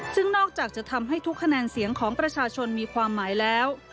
ซึ่งนอกจากจะทำให้ทุกคะแนนเสียงของประชาชนมีความหมายแล้ว